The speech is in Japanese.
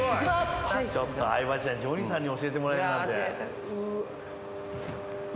相葉ちゃんジョニーさんに教えてもらえるなんて。